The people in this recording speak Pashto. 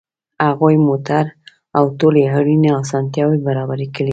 هغوی موټر او ټولې اړینې اسانتیاوې برابرې کړې